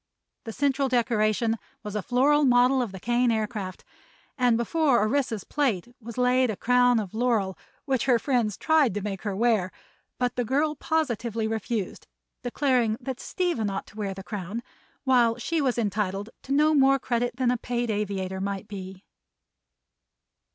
The central decoration was a floral model of the Kane Aircraft, and before Orissa's plate was laid a crown of laurel which her friends tried to make her wear. But the girl positively refused, declaring that Stephen ought to wear the crown, while she was entitled to no more credit than a paid aviator might be.